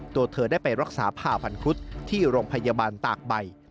ตัวเธอได้ไปรักษาผ่าพันครุฑที่โรงพยาบาลตากใบ